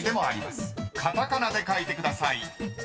［カタカナで書いてください］